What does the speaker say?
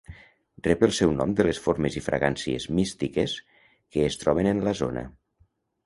Rep el seu nom de les formes i fragàncies místiques que es troben en la zona.